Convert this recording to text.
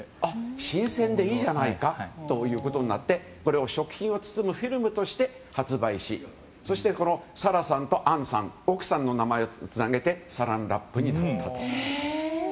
新鮮でいいじゃないかとなってこれを食品を包むフィルムとして発売しそして、このサラさんとアンさん奥さんの名前をつなげてサランラップになったと。